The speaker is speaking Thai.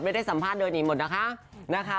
ไม่ได้สัมภาษณ์เดินหนีหมดนะคะ